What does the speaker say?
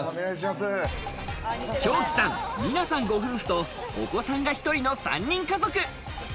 兵紀さん、ミナさんご夫婦と、お子さんが１人の３人家族。